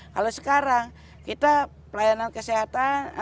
kalau sekarang kita pelayanan kesehatan